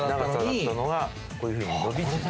こういうふうに伸び縮み。